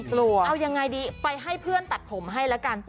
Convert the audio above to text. กลัวผมเอายังไงดีไปให้เพื่อนตัดผมให้แล้วกัน